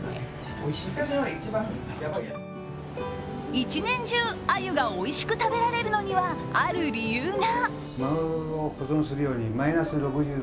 １年中、あゆがおいしく食べられるのには、ある理由が。